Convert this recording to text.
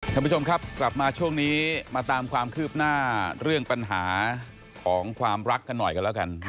ท่านผู้ชมครับกลับมาช่วงนี้มาตามความคืบหน้าเรื่องปัญหาของความรักกันหน่อยกันแล้วกัน